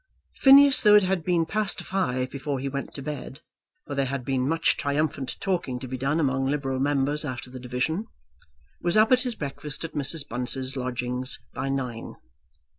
Phineas, though it had been past five before he went to bed, for there had been much triumphant talking to be done among liberal members after the division, was up at his breakfast at Mrs. Bunce's lodgings by nine.